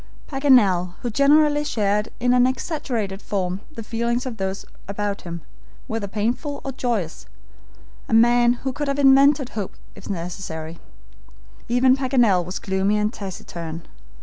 Paganel, who generally shared in an exaggerated form the feelings of those about him, whether painful or joyous a man who could have invented hope if necessary even Paganel was gloomy and taciturn.